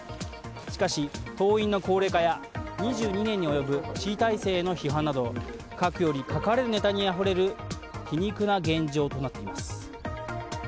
しかし、党員の高齢化や２２年に及ぶ志位体制への批判など書くより書かれるネタにあふれる皮肉な現状となっています。